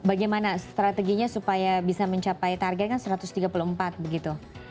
bagaimana strateginya supaya bisa mencapai target kan satu ratus tiga puluh empat begitu